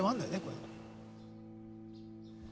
これ。